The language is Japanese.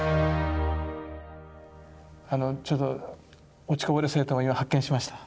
あのちょっと落ちこぼれ生徒が今発見しました。